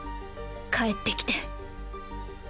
帰ってきて。